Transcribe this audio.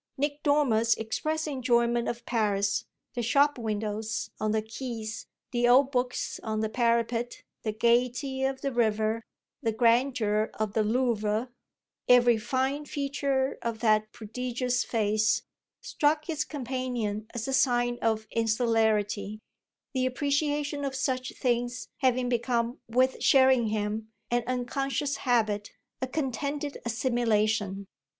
Nick Dormer's express enjoyment of Paris, the shop windows on the quays, the old books on the parapet, the gaiety of the river, the grandeur of the Louvre, every fine feature of that prodigious face, struck his companion as a sign of insularity; the appreciation of such things having become with Sherringham an unconscious habit, a contented assimilation.